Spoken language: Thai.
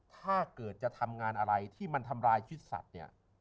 ถ้าเกิดจะทำงานอะไรที่มันทำลายชุดสัตว์เนี่ย